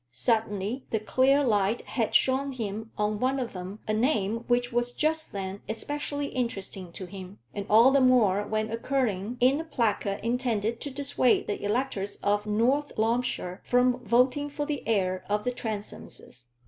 Suddenly the clearer light had shown him on one of them a name which was just then especially interesting to him, and all the more when occurring in a placard intended to dissuade the electors of North Loamshire from voting for the heir of the Transomes.